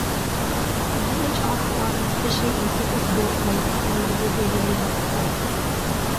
The village also offers fishing in purpose built lakes and the River Yeo itself.